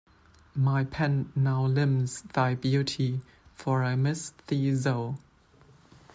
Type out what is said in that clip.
My pen now limns thy beauty, for I miss thee so.